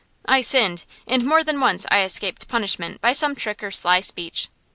I sinned, and more than once I escaped punishment by some trick or sly speech.